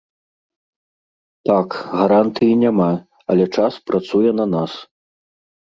Так, гарантый няма, але час працуе на нас.